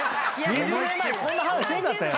２０年前こんな話せんかったよ。